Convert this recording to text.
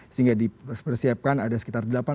sehingga dipersiapkan ada sekitar